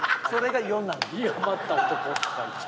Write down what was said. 余った男と書いて。